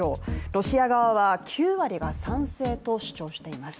ロシア側は９割が賛成と主張しています。